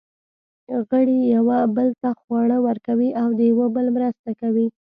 غړي یوه بل ته خواړه ورکوي او د یوه بل مرسته کوي.